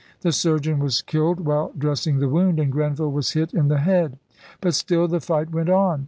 The surgeon was killed while dressing the wound, and Grenville was hit in the head. But still the fight went on.